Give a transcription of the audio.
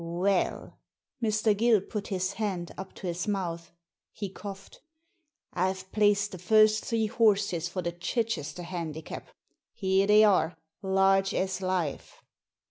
" Well,'* Mr. Gill put his hand up to his mouth : he coughed. " I've placed the first three horses for the Chichester Handicap. Here they are, large as life."